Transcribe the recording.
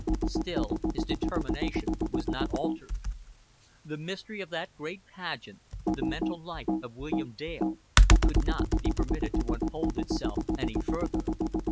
Still his determination was not altered. The mystery of that great pageant, the mental life of William Dale, could not be permitted to unfold itself any further.